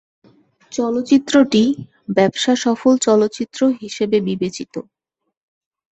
চলচ্চিত্রটি 'ব্যবসা সফল চলচ্চিত্র' হিসেবে বিবেচিত।